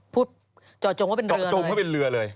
พูดจอดจงว่าเป็นเรือเลยจอดจงว่าเป็นเรือเลย